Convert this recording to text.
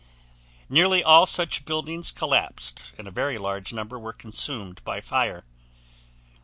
Nearly all such buildings collapsed and a very large number were consumed by fire.